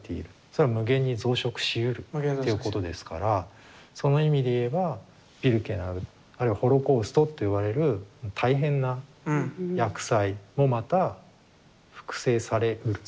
それは無限に増殖しうるということですからその意味で言えばビルケナウあるいはホロコーストっていわれる大変な厄災もまた複製されうる。